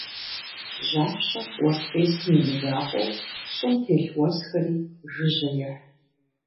Жьапщэм уэс къесым и мызакъуэу, щӀым телъ уэсхэри жыжьэ ехь.